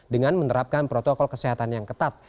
dengan menerapkan protokol kesehatan yang ketat